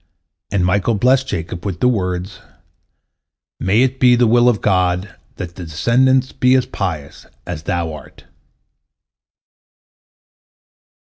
And Michael blessed Jacob with the words, "May it be the will of God that thy descendants be as pious as thou art."